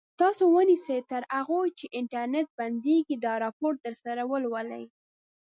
تاسو ونیسئ تر هغو چې انټرنټ بندېږي دا راپور درسره ولولئ.